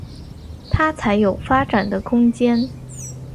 他才有发展的空间